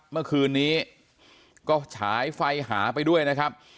เมื่อคืนนี้ก็ฉายไฟหาไปด้วยนะครับ